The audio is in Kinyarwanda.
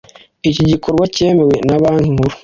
iki gikorwa cyemewe na banki nkuru